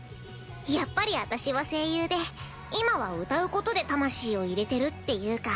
やっぱり私は声優で今は歌うことで魂を入れてるっていうか。